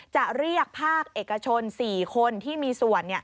จะเรียกภาคเอกชน๔คนที่มีส่วน